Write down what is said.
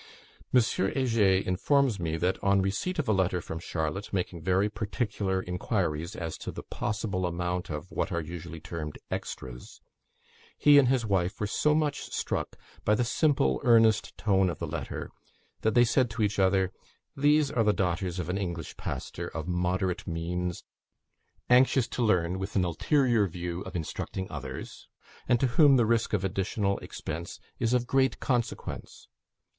M. Heger informs me that, on receipt of a letter from Charlotte, making very particular inquiries as to the possible amount of what are usually termed "extras," he and his wife were so much struck by the simple earnest tone of the letter, that they said to each other: "These are the daughters of an English pastor, of moderate means, anxious to learn with an ulterior view of instructing others, and to whom the risk of additional expense is of great consequence.